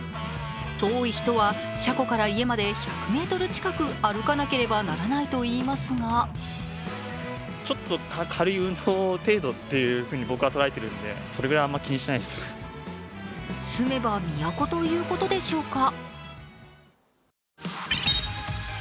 遠い人は車庫から家まで１００ｍ近く歩かなければならないといいますが住めば都ということでしょうか。